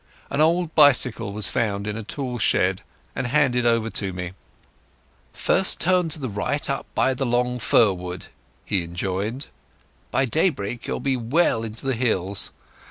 An old bicycle was found in a tool shed and handed over to me. "First turn to the right up by the long fir wood," he enjoined. "By daybreak you'll be well into the hills.